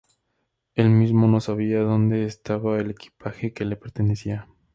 Él mismo no sabía dónde estaba el equipaje que le pertenecía.